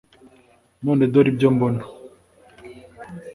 None dore ibyo mbona: